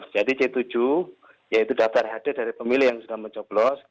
jadi c tujuh yaitu daftar hd dari pemilih yang sudah mencoplos